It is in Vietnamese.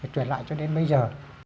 truyền lại cho đến bây giờ